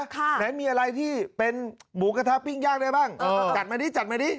ค่ะนั้นมีอะไรที่เป็นหมูกระทะปิ้งยากได้บ้างจัดมานี่จัดมานี่